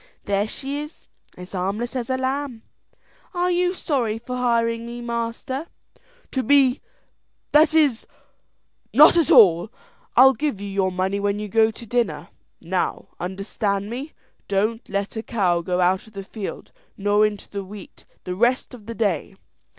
There she is as harmless as a lamb. Are you sorry for hiring me, master?" "To be that is, not at all. I'll give you your money when you go to dinner. Now, understand me; don't let a cow go out of the field nor into the wheat the rest of the day."